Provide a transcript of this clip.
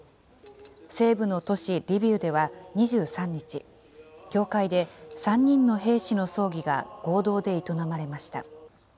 西部の都市リビウでは２３日、教会で３人の兵士の葬儀が合同で営まれました。